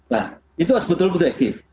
nah itu harus betul betul efektif